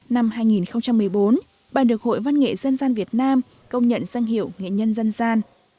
năm hai nghìn một mươi bốn bà được hội văn nghệ dân gian việt nam công nhận danh hiệu nghệ nhân dân gian